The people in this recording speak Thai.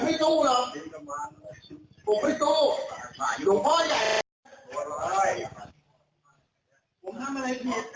ไว้ดูใช้ดูไหนวาดตีคนไม่วัดด่ะผมไม่ใช่คนหลงวัดเนี่ยผมให้ฟังคน